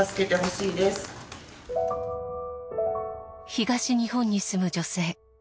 東日本に住む女性。